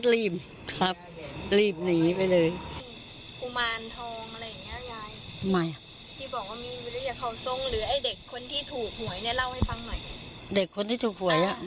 พี่บอกว่ามีวิทยาเข้าทรงอย่างเด็กคนที่ถูห่วยรับไหม